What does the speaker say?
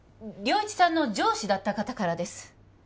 良一さんの上司だった方からです